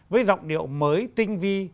với giọng điệu mới tinh vi